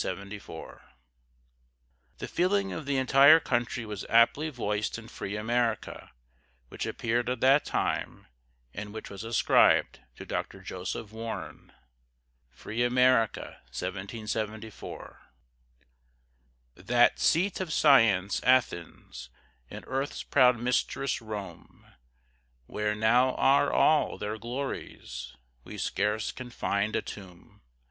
The feeling of the entire country was aptly voiced in "Free America," which appeared at that time, and which was ascribed to Dr. Joseph Warren. FREE AMERICA That seat of Science, Athens, And earth's proud mistress, Rome; Where now are all their glories? We scarce can find a tomb.